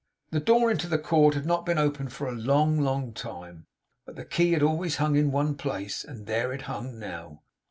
The door into the court had not been open for a long, long time; but the key had always hung in one place, and there it hung now.